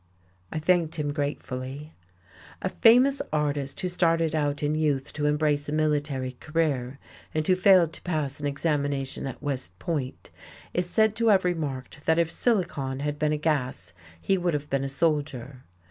I thanked him gratefully. A famous artist, who started out in youth to embrace a military career and who failed to pass an examination at West Point, is said to have remarked that if silicon had been a gas he would have been a soldier.